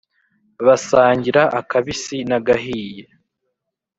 Basangira akabisi n’agahiye